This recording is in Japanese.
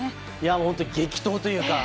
本当に激闘というか。